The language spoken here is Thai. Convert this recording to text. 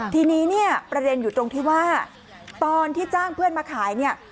ทีนี้เนี่ยประเด็นอยู่ตรงที่ว่าตอนที่จ้างเพื่อนมาขายเนี่ย